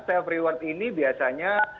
self rewards ini biasanya